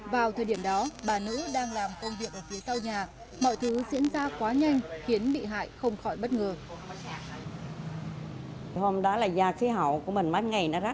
vào thời điểm đó bà nữ đang làm công việc ở phía sau nhà